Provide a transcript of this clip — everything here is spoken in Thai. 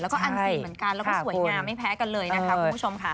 แล้วก็อันซีนเหมือนกันแล้วก็สวยงามไม่แพ้กันเลยนะคะคุณผู้ชมค่ะ